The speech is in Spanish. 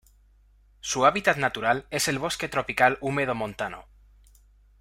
Su hábitat natural es el bosque tropical húmedo montano.